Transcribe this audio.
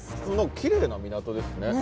きれいな港ですね。